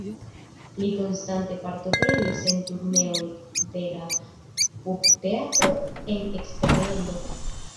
Li konstante partoprenis en turneoj de la Pupteatro en eksterlando.